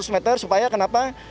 lima ratus meter supaya kenapa